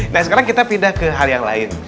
nah sekarang kita pindah ke hal yang lain